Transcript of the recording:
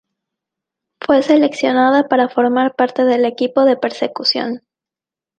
Fue seleccionada para formar parte del equipo de persecución.